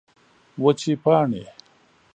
وچې پاڼې